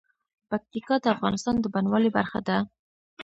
پکتیکا د افغانستان د بڼوالۍ برخه ده.